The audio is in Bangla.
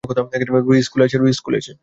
রুহি, স্কুলে আছে।